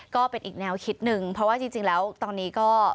ก็เป็นอีกแนวคิดหนึ่งเพราะว่าจริงแล้วตอนนี้ก็